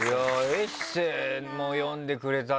エッセイも読んでくれたんだね